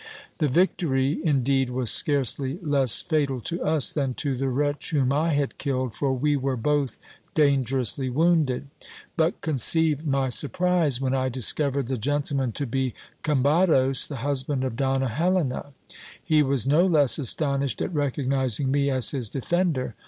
The victory indeed was scarcely less fatal to us than to the wretch whom I had killed, for we were both dangerously wounded. But conceive my surprise, when I discovered the gentleman to be Combados, the husband of Donna Helena. He was no less astonished at recognizing me as his defender.